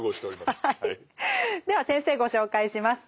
では先生ご紹介します。